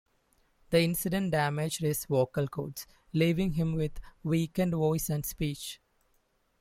The incident damaged his vocal cords, leaving him with weakened voice and speech.